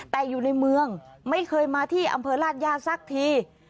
แต่อยู่ในเมืองไม่เคยมาที่อำเภอราชย่าสักที